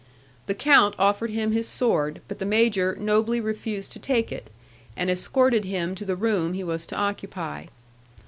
The count offered him his sword, but the major nobly refused to take it, and escorted him to the room he was to occupy.